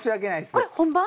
これ本番？